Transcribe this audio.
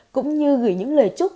cũng như gửi những lời chúc